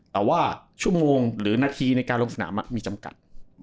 แต่ว่าชั่วโมงหรือนาทีในการลงสนามมีจำกัด